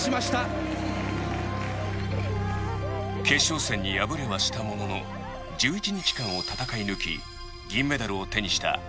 決勝戦に敗れはしたものの１１日間を戦い抜き銀メダルを手にした